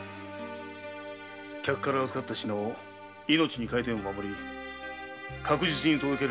客から預かった品を命に代えても守り確実に届ける健気な女